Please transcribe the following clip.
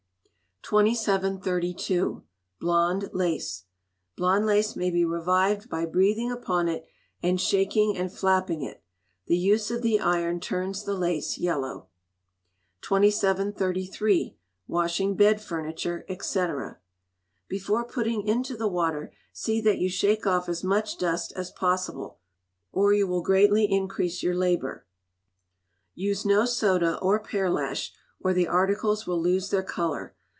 2732. Blond Lace. Blond lace may be revived by breathing upon it, and shaking and flapping it. The use of the iron turns the lace yellow. 2733. Washing Bed Furniture, &c. Before putting into the water, see that you shake off as much dust as possible, or you will greatly increase your labour. Use no soda, or pearlash, or the articles will lose their colour.